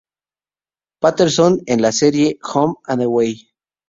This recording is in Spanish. Patterson en la serie "Home and Away".